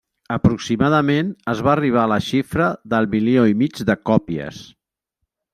Aproximadament es va arribar a la xifra del milió i mig de còpies.